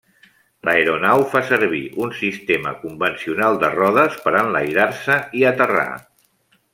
L'aeronau fa servir un sistema convencional de rodes per enlairar-se i aterrar.